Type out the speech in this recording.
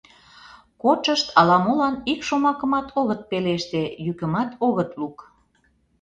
Кодшышт ала-молан ик шомакымат огыт пелеште, йӱкымат огыт лук.